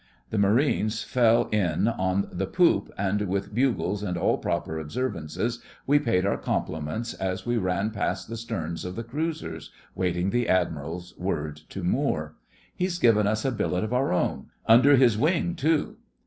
The Marines fell in on the poop, and with bugles and all proper observances we paid our compliments as we ran past the sterns of the cruisers, waiting the Admiral's word to moor. 'He's given us a billet of our own. Under his wing too.